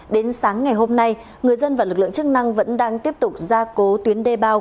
đến sáng ngày hôm nay người dân và lực lượng chức năng vẫn đang tiếp tục ra cố tuyến đê bao